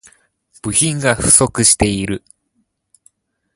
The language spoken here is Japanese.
部品が不足している